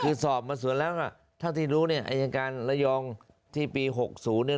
คือสอบมาสวนแล้วล่ะเท่าที่รู้เนี่ยอายการระยองที่ปี๖๐เนี่ย